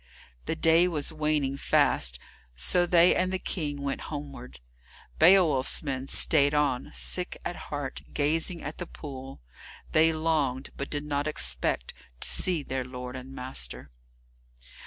The day was waning fast, so they and the King went homeward. Beowulf's men stayed on, sick at heart, gazing at the pool. They longed, but did not expect, to see their lord and master.